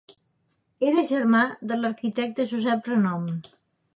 Era germà de l'arquitecte Josep Renom.